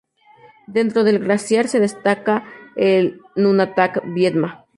Dentro del glaciar se destaca el nunatak Viedma.